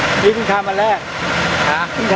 สวัสดีครับนี่มีต้นแรกสวัสดีครับ